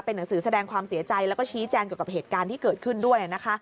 หนังสือแสดงความเสียใจแล้วก็ชี้แจงเกี่ยวกับเหตุการณ์ที่เกิดขึ้นด้วย